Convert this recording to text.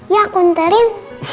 ya aku ntarin